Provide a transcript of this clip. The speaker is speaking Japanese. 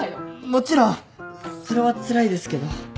もちろんそれはつらいですけど。